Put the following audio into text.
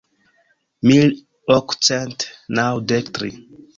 Mil okcent naŭdek tri.